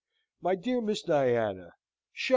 My dear Miss Diana (psha!